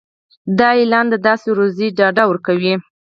دا اعلان د داسې روزي ډاډ ورکوي.